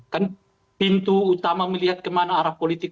kan pintu utama melihat kemana arah politik